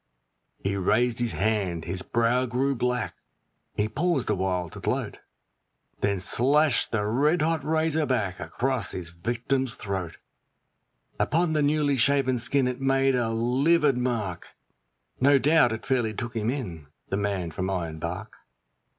He raised his hand, his brow grew black, he paused awhile to gloat, Then slashed the red hot razor back across his victim's throat; Upon the newly shaven skin it made a livid mark No doubt it fairly took him in the man from Ironbark.